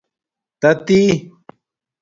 تاتی